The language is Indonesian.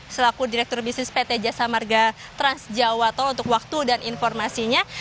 sebagai trans jawa tol untuk waktu dan informasinya